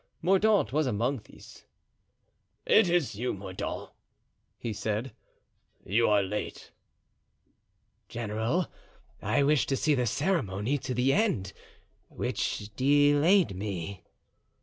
Mordaunt was among these. "It is you, Mordaunt," he said. "You are late." "General, I wished to see the ceremony to the end, which delayed me."